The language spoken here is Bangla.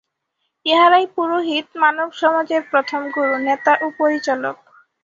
ইঁহারাই পুরোহিত, মানবসমাজের প্রথম গুরু, নেতা ও পরিচালক।